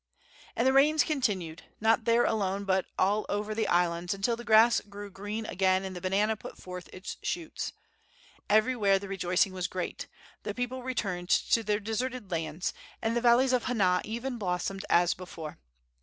And the rains continued, not there alone but all over the islands, until the grass grew green again and the banana put forth its shoots. Everywhere the rejoicing was great. The people returned to their deserted lands, and the valleys of Hana, even, blossomed as before.